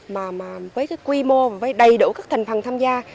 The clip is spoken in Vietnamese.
mà với cái quy mô và với đầy đủ các thành phần tham gia